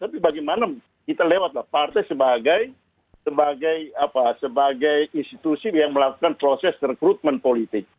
tapi bagaimana kita lewat lah partai sebagai institusi yang melakukan proses rekrutmen politik